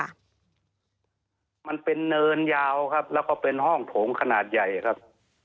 มันเป็นเนินยาวครับแล้วก็เป็นห้องโถงขนาดใหญ่ครับ